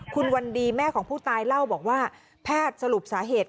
คุณวันดีแม่ของผู้ตายเล่าบอกว่าแพทย์สรุปสาเหตุ